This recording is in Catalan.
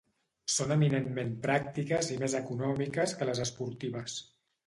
Són eminentment pràctiques i més econòmiques que les esportives.